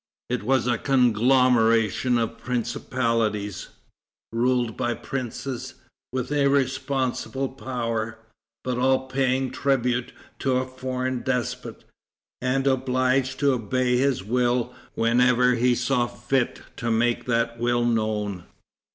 It was a conglomeration of principalities, ruled by princes, with irresponsible power, but all paying tribute to a foreign despot, and obliged to obey his will whenever he saw fit to make that will known.